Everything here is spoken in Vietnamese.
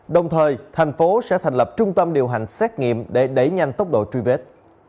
đồng thời thành phố sẽ thành lập trung tâm điều hành xét nghiệm để đẩy nhanh tốc độ truy vết